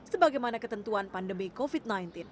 sebagaimana ketentuan pandemi covid sembilan belas